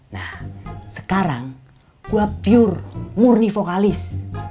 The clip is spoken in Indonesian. nah sekarang gua pure murni vokalis